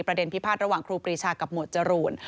พิพาทระหว่างครูปรีชากับหมวดจรูน